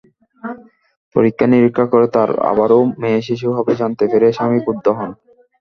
পরীক্ষা-নিরীক্ষা করে তাঁর আবারও মেয়েশিশু হবে জানতে পেরে স্বামী ক্ষুব্ধ হন।